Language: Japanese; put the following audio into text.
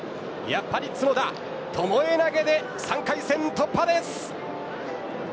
やっぱり角田、巴投で３回戦突破です。